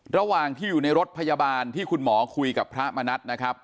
ระหว่างที่อยู่ในรถพยาบาลที่คุณหมอคุยกับพระมณัฐนะครับ